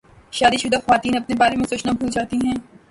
شادی شدہ خواتین اپنے بارے میں سوچنا بھول جاتی ہیں